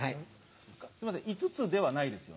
すいません５つではないですよね。